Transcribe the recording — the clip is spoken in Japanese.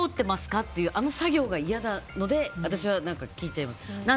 っていうあの作業が嫌なので私は聞いちゃいます。